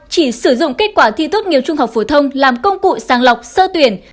chỉ sử dụng kết quả thi tốt nghiệp trung học phổ thông làm công cụ sàng lọc sơ tuyển